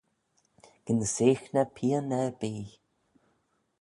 Gyn seaghney pian erbee.